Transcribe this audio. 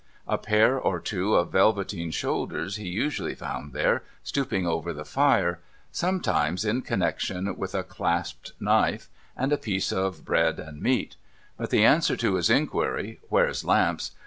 A pair or two of velveteen shoulders he usually found there, stooping over the fire, sometimes in connection with 426 MUGBY JUNCTION a clasped knife and a piece of bread and meat ; but the answer to his inquiry, ' Where's Lamps